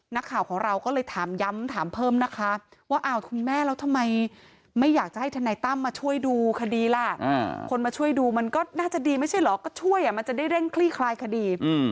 นักข่าวของเราก็เลยถามย้ำถามเพิ่มนะคะว่าอ้าวคุณแม่แล้วทำไมไม่อยากจะให้ทนายตั้มมาช่วยดูคดีล่ะคนมาช่วยดูมันก็น่าจะดีไม่ใช่เหรอก็ช่วยมันจะได้เร่งคลี่คลายคดี